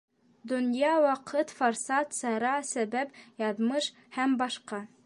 Донъя, ваҡыт, форсат, сара, сәбәп, яҙмыш һ. б.